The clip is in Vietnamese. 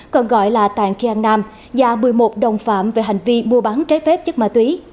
còn gọi là tàng khi ăn nam và một mươi một đồng phạm về hành vi mua bán trái phép chất ma túy